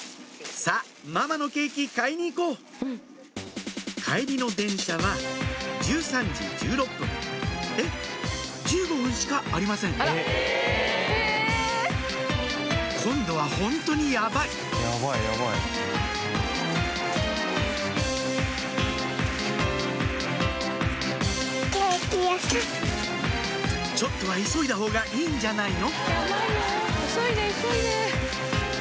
さぁママのケーキ買いに行こう帰りの電車は１３時１６分えっ１５分しかありません今度はホントにやばいちょっとは急いだほうがいいんじゃないの？